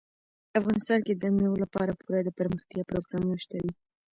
افغانستان کې د مېوو لپاره پوره دپرمختیا پروګرامونه شته دي.